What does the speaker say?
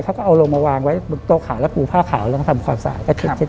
เขาก็เอาลงมาวางไว้โตขาแล้วกูผ้าขาวแล้วก็ทำความสะอาด